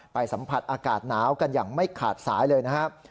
สัมผัสอากาศหนาวกันอย่างไม่ขาดสายเลยนะครับ